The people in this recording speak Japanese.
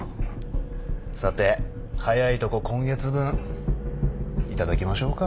さて早いとこ今月分頂きましょうか。